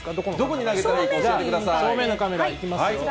正面のカメラ、いきますよ。